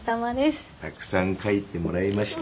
たくさん書いてもらいました。